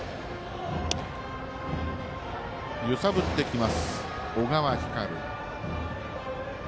揺さぶってきます、小川輝。